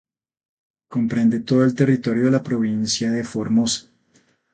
Comprende todo el territorio de la provincia de Formosa.